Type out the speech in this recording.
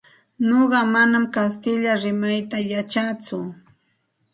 Nuqa manam kastilla rimayta yachatsu.